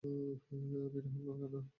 আমি রাহুল খান্না।